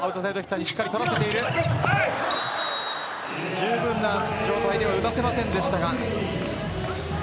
じゅうぶんな状態では打たせませんでしたが。